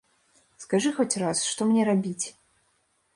Скажы хоць раз, што мне рабіць?